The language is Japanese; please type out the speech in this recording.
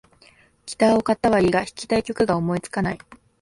ギターを買ったはいいが、弾きたい曲が思いつかない